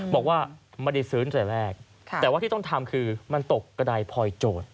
บอกว่าไม่ได้ซื้อตั้งแต่แรกแต่ว่าที่ต้องทำคือมันตกกระดายพลอยโจทย์